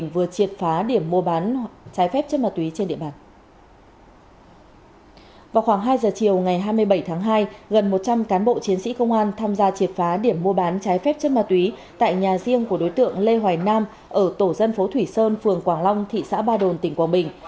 vào khoảng hai giờ chiều ngày hai mươi bảy tháng hai gần một trăm linh cán bộ chiến sĩ công an tham gia triệt phá điểm mua bán trái phép chất ma túy tại nhà riêng của đối tượng lê hoài nam ở tổ dân phố thủy sơn phường quảng long thị xã ba đồn tỉnh quảng bình